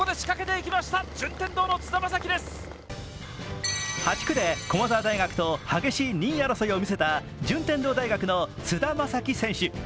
それは８区で駒沢大学と激しい２位争いを見せた順天堂大学の津田将希選手。